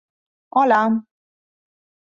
Hola.